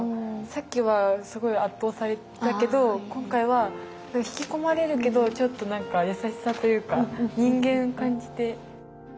さっきはすごい圧倒されたけど今回は引き込まれるけどちょっと優しさというか人間を感じて。